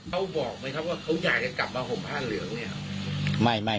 เขาบอกไหมครับว่าเขาอยากจะกลับมาห่มผ้าเหลืองเนี่ย